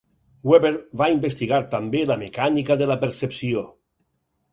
Weber va investigar també la mecànica de la percepció.